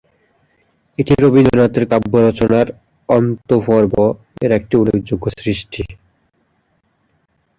এটি রবীন্দ্রনাথের কাব্য রচনার "অন্ত্যপর্ব"-এর একটি উল্লেখযোগ্য সৃষ্টি।